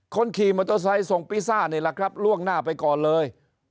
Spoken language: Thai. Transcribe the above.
คนขี่มอเตอร์ไซค์ส่งปีซ่านี่แหละครับล่วงหน้าไปก่อนเลย